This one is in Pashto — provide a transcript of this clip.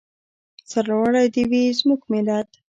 سرلوړی دې وي زموږ ملت.